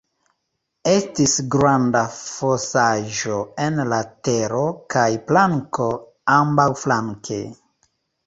Estis granda fosaĵo en la tero kaj planko ambaŭflanke.